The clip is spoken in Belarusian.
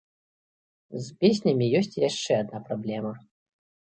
З песнямі ёсць і яшчэ адна праблема.